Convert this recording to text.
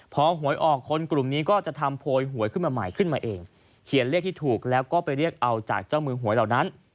พอหวยออกคนกลุ่มนี้ก็จะทำโพยหวยขึ้นมาใหม่ขึ้นมาเองเขียนเลขที่ถูกแล้วก็ไปเรียกเอาจากเจ้ามือหวยเหล่านั้น